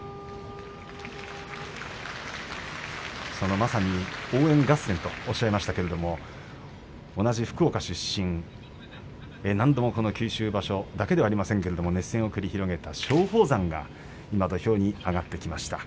まさに応援合戦とおっしゃいましたけれども同じ福岡出身何度もこの九州場所、だけではありませんけれども何度も熱戦を繰り広げた松鳳山が土俵に上がってきました。